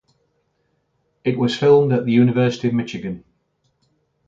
It was filmed at the University of Michigan.